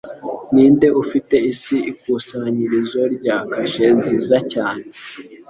Ninde Ufite Isi Ikusanyirizo rya kashe nziza cyane